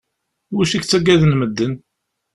Iwacu i k-ttagaden medden?